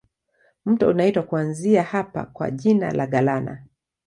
Mto unaitwa kuanzia hapa kwa jina la Galana.